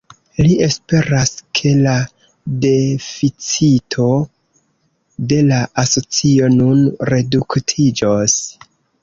Li esperas ke la deficito de la asocio nun reduktiĝos.